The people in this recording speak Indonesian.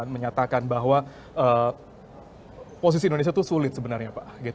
menyatakan bahwa posisi indonesia itu sulit sebenarnya pak